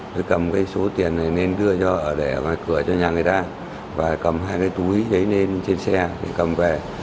tôi cầm cái số tiền này lên đưa cho ở đẻ và cửa cho nhà người ta và cầm hai cái túi đấy lên trên xe để cầm về